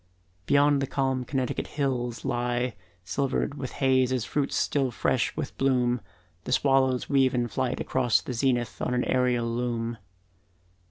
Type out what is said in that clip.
Beyond the calm Connecticut the hills lie Silvered with haze as fruits still fresh with bloom, The swallows weave in flight across the zenith On an aerial loom.